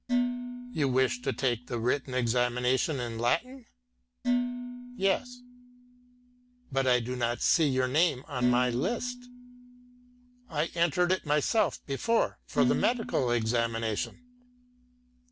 "You wish to take the written examination in Latin?" "Yes." "But I do not see your name on my list." "I entered myself before for the medical examination."